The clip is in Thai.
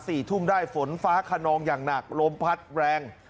สี่ทุ่มได้ฝนฟ้าขนองอย่างหนักลมพัดแรง